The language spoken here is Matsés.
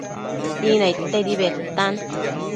Sinaidtedi bedtan